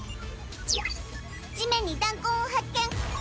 地面に弾痕を発見。